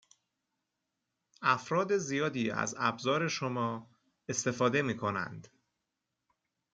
افراد زیادی از ابزار شما استفاده میکنند